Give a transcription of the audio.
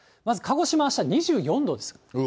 まず、鹿児島、あした２４度です。